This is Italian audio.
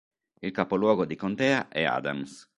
Il capoluogo di contea è Adams.